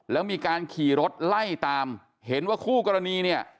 แล้วมีการขี่รถไล่ตามเห็นว่าคู่กรณีเนี่ย